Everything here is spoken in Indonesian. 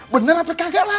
bener apa kagak lam